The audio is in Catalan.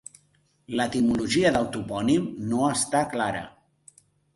L'etimologia del topònim no està clara.